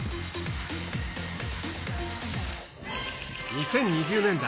２０２０年代、